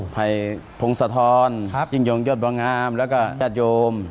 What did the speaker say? ภัยพงศธรยิ่งยงยอดบองามแล้วก็ญาติโยม